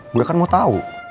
gue kan mau tau